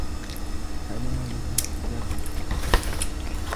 حَلَالُهَا حِسَابٌ